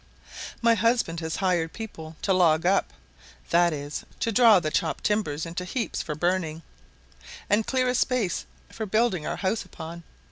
My husband has hired people to log up (that is, to draw the chopped timbers into heaps for burning) and clear a space for building our house upon.